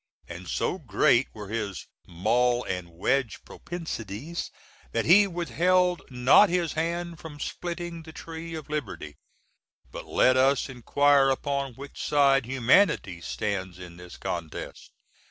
And so great were his "maul & wedge" propensities that he withheld not his hand from splitting the Tree of Liberty. But let us inquire upon which side "humanity" stands in this contest.